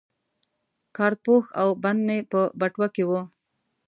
کارت پوښ او بند مې په بټوه کې وو.